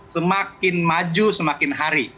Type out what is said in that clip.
semakin maju semakin hari